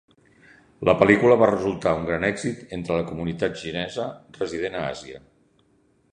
La pel·lícula va resultar un gran èxit entre la comunitat xinesa resident a Àsia.